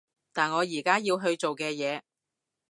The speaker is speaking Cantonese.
但我而家要去做嘅嘢